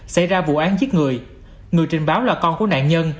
xảy ra vụ án giết người người trình báo là con của nạn nhân